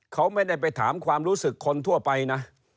เขาไม่ได้ไปถามความรู้สึกคนทั่วไปนะ